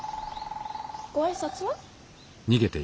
ご挨拶は？